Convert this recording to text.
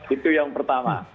itu yang pertama